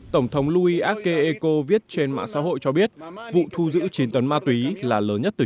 tổng thống louis a k eco viết trên mạng xã hội cho biết vụ thu giữ chín tấn ma túy là lớn nhất từ